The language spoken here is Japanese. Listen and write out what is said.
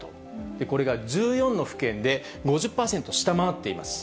これが１４の府県で５０％下回っています。